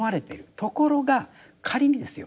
ところが仮にですよ